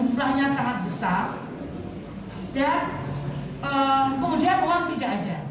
anggaran yang sangat besar dan kemudian uang tidak ada